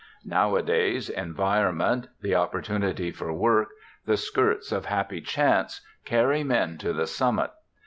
Nowadays environment, the opportunity for work, the skirts of happy chance carry men to the summit.